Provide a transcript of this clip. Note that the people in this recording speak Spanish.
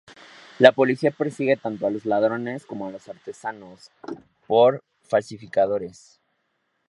La policía persigue tanto a los ladrones como a los artesanos, por falsificadores.